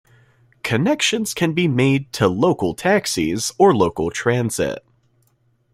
Connections can be made to local taxis or local transit.